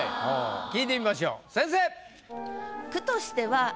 聞いてみましょう先生！